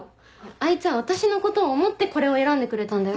あいつは私のことを思ってこれを選んでくれたんだよ。